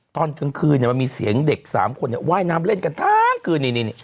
ตอนกลางคืนมันมีเสียงเด็ก๓คนว่ายน้ำเล่นกันทั้งคืน